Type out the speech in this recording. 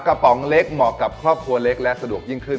ป๋องเล็กเหมาะกับครอบครัวเล็กและสะดวกยิ่งขึ้น